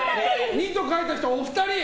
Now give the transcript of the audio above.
２と書いた人はお一人。